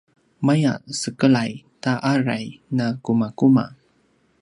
maya sekelay ta aray na kumakuma